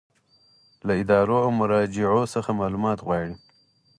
له ادارو او مراجعو څخه معلومات غواړي.